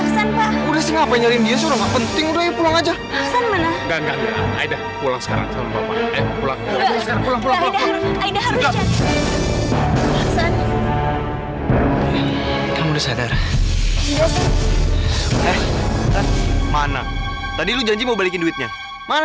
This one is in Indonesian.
sampai jumpa di video selanjutnya